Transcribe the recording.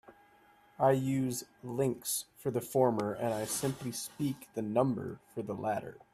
I use "links" for the former and I simply speak the number for the latter.